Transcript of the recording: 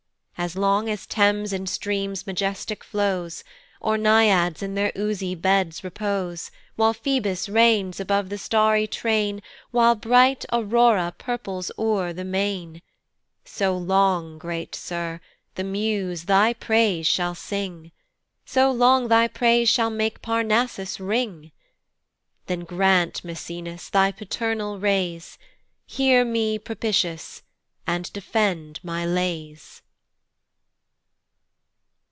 *He was an African by birth. As long as Thames in streams majestic flows, Or Naiads in their oozy beds repose While Phoebus reigns above the starry train While bright Aurora purples o'er the main, So long, great Sir, the muse thy praise shall sing, So long thy praise shal' make Parnassus ring: Then grant, Maecenas, thy paternal rays, Hear me propitious, and defend my lays.